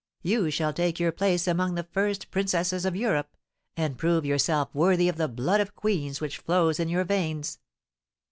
You shall take your place among the first princesses of Europe, and prove yourself worthy of the blood of queens which flows in your veins."